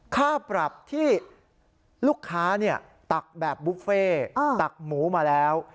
ค่าปรับที่ลูกค้าตักแบบบุฟเฟ่ตักหมูมาแล้ว